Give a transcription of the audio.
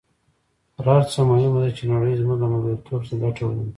تر هر څه مهمه ده چې نړۍ زموږ له ملګرتوب څخه ګټه وویني.